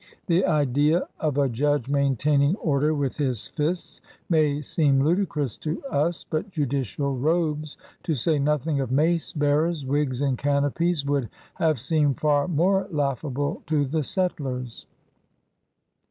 The idea of a judge maintaining order with his fists may seem ludicrous to us; but judicial robes, to say nothing of mace bearers, wigs, and canopies, would have seemed far more laughable to the settlers.